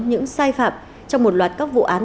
những sai phạm trong một loạt các vụ án